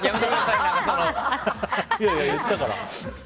いやいや、言ったから。